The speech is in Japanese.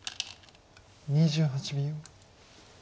２８秒。